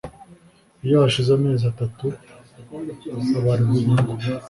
Iyo hashize amezi atatu habarwa inyungu